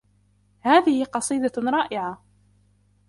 هذه قصيدة رائعة.